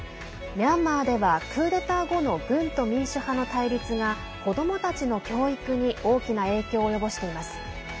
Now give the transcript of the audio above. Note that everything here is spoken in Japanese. ミャンマーではクーデター後の軍と民主派の対立が子どもたちの教育に大きな影響を及ぼしています。